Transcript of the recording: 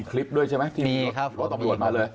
มีคลิปด้วยใช่ไหมรถตำรวจมาเลย